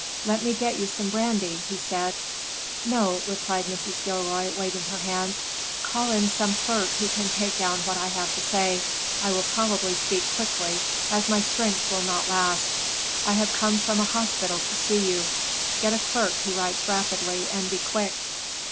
"Let me get you some brandy," he said. "No," replied Mrs. Gilroy, waving her hand. "Call in some clerk who can take down what I have to say. I will probably speak quickly, as my strength will not last long. I have come from an hospital to see you. Get a clerk who writes rapidly, and be quick."